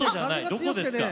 どこですか？